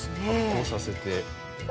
発酵させて。